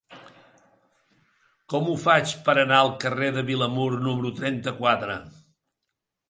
Com ho faig per anar al carrer de Vilamur número trenta-quatre?